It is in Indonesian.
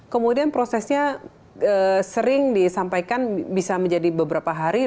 kemudian prosesnya sering disampaikan bisa menjadi beberapa hari